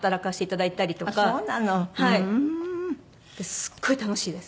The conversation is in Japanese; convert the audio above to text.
すごい楽しいです。